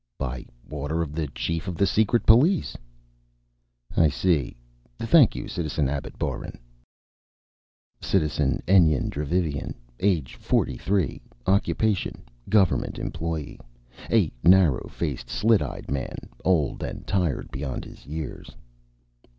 "By order of the Chief of the Secret Police." "I see.... Thank you, Citizen Abbot Boeren." (_Citizen Enyen Dravivian, age 43, occupation government employee. A narrow faced, slit eyed man, old and tired beyond his years.